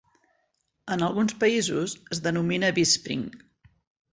En alguns països, es denomina Vispring.